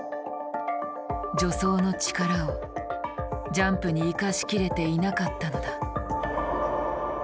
助走の力をジャンプに生かしきれていなかったのだ。